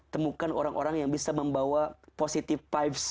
temukan orang orang yang bisa membawa positive vibes